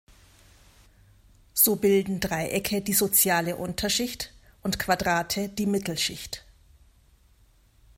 So bilden Dreiecke die soziale Unterschicht und Quadrate die Mittelschicht.